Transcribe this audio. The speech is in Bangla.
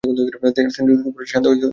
আর তিনি নীরব হলে ঘোড়াটি শান্ত ও স্থির হয়।